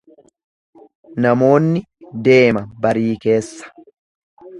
Namoonni deema barii keessa.